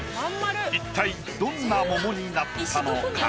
一体どんな桃になったのか？